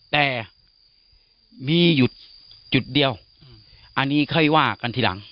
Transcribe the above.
แต่มีอยู่จุดเดียวอันนี้ค่อยว่ากันทีหลัง